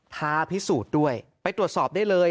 ท้าพิสูจน์ด้วยไปตรวจสอบได้เลย